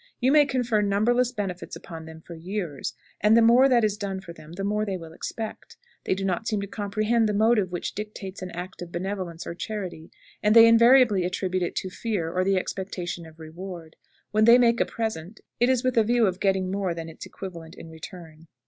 You may confer numberless benefits upon them for years, and the more that is done for them the more they will expect. They do not seem to comprehend the motive which dictates an act of benevolence or charity, and they invariably attribute it to fear or the expectation of reward. When they make a present, it is with a view of getting more than its equivalent in return.